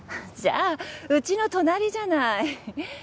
じゃあうちの隣じゃない。